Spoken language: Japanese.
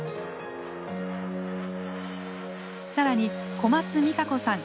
更に小松未可子さん